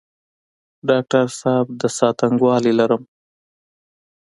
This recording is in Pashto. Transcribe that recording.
ډاکټر صاحب د ساه تنګوالی لرم؟